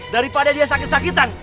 daripada dia sakit sakitan